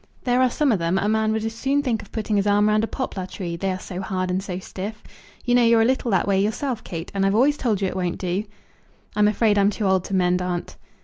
There are some of them, a man would as soon think of putting his arm round a poplar tree, they are so hard and so stiff. You know you're a little that way yourself, Kate, and I've always told you it won't do." "I'm afraid I'm too old to mend, aunt."